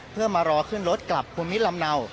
เพื่อมารอขึ้นรถกลับภูมิลำเนา